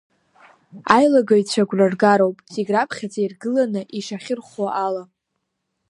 Аилагаҩцәа агәра ргароуп, зегь раԥхьаӡа иргыланы, ишахьырхәхо ала.